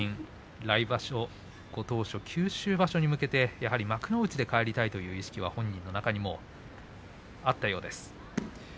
来場所ご当所幕内で帰りたいという意識が本人の中にもあったようです。